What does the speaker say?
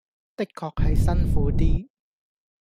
的確係辛苦啲